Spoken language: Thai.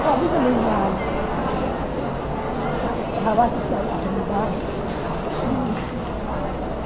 ตอนแรกยังไม่เห็นว่าจะต้องทำทีสิทธิ์